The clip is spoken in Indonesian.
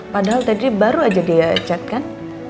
padahal tadi baru aja dia cat kan